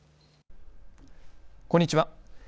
こんにちは。